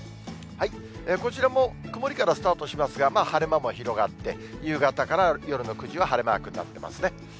こちらも曇りからスタートしますが、晴れ間も広がって、夕方から夜の９時は晴れマークになってますね。